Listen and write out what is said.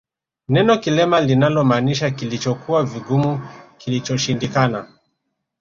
Neno kilelema linalomaanisha kilichokuwa vigumu kilichoshindikana